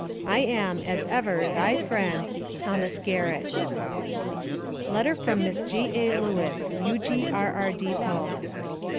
I am, as ever, thy friend, THOS. GARRETT. LETTER FROM MISS G.A. LEWIS (U.G.R.R. DEPOT).